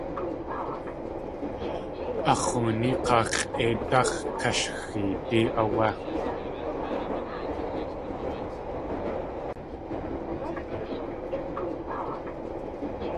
Ax̲ x̲ooní k̲aa x̲ʼéidáx̲ kashxeedí áwé.